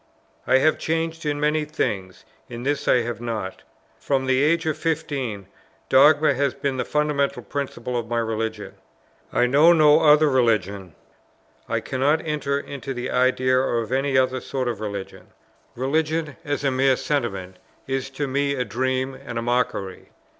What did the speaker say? I have changed in many things: in this I have not. From the age of fifteen, dogma has been the fundamental principle of my religion: I know no other religion; I cannot enter into the idea of any other sort of religion; religion, as a mere sentiment, is to me a dream and a mockery.